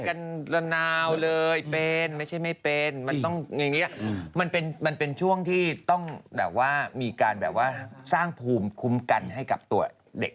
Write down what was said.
กันละนาวเลยเป็นไม่ใช่ไม่เป็นมันเป็นช่วงที่ต้องมีการสร้างภูมิคุ้มกันให้กับตัวเด็ก